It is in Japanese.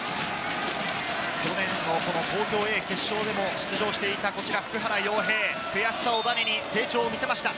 去年の東京Ａ決勝でも出場していた、こちら普久原陽平、悔しさをバネに成長を見せました。